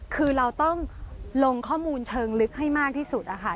คือเราต้องลงข้อมูลเชิงลึกให้มากที่สุดนะคะ